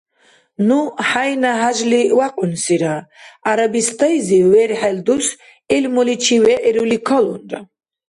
Ну хӀяйна хӀяжли вякьунсира, ГӀярабистайзив верхӀел дус гӀилмуличи вегӀирули калунра.